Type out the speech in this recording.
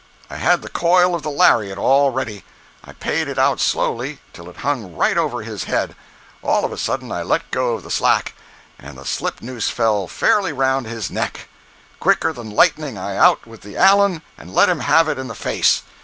I had the coil of the lariat all ready; I paid it out slowly, till it hung right over his head; all of a sudden I let go of the slack, and the slipnoose fell fairly round his neck! Quicker than lightning I out with the Allen and let him have it in the face.